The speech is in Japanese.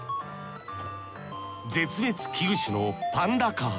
絶滅危惧種のパンダカー。